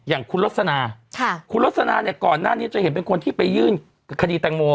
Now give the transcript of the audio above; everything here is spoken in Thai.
อย่างคุณลสนาคุณลสนาเนี่ยก่อนหน้านี้จะเห็นเป็นคนที่ไปยื่นคดีแตงโม